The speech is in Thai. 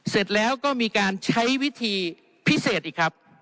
เสร็จแล้วก็มีการใช้วิธีพิเศษอีกครับ